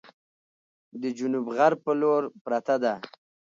د جنوب غرب په لور پرته ده،